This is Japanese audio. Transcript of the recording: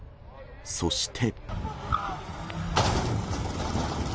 そして。